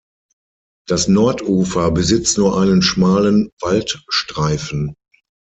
Das Nordufer besitzt nur einen schmalen Waldstreifen.